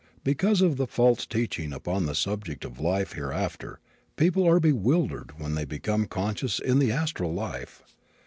Because of the false teaching upon the subject of life hereafter, people are bewildered when they become conscious in the astral life.